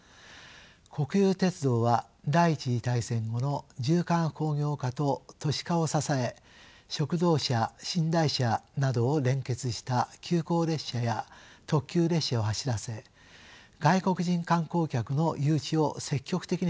国有鉄道は第１次大戦後の重化学工業化と都市化を支え食堂車寝台車などを連結した急行列車や特急列車を走らせ外国人観光客の誘致を積極的に図りました。